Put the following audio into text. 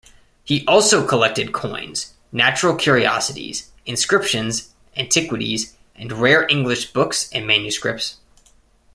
He also collected coins, 'natural curiosities,' inscriptions, antiquities and rare English books and manuscripts.